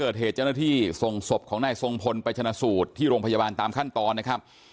เกิดเหตุเจ้าหน้าที่ส่งศพของนายทรงพลไปชนะสูตรที่โรงพยาบาลตามขั้นตอนนะครับ